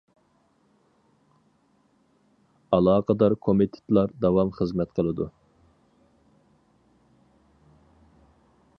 ئالاقىدار كومىتېتلار داۋام خىزمەت قىلىدۇ.